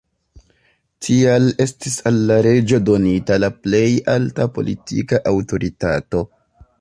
Tial estis al la reĝo donita la plej alta politika aŭtoritato.